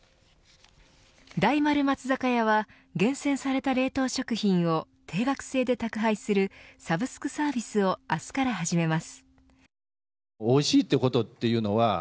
大丸松坂屋は厳選された冷凍食品を定額制で宅配するサブスクサービスを明日から始めます。